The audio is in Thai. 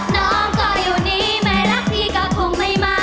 น้องก็อยู่นี้ไม่รักพี่ก็คงไม่มา